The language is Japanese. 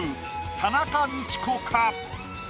田中道子か？